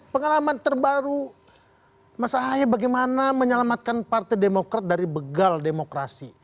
pengalaman terbaru mas ahaye bagaimana menyelamatkan partai demokrat dari begal demokrasi